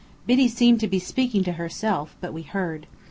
Biddy seemed to be speaking to herself, but we heard.